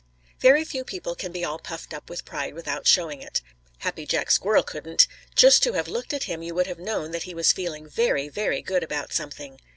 _ Very few people can be all puffed up with pride without showing it. Happy Jack Squirrel couldn't. Just to have looked at him you would have known that he was feeling very, very good about something.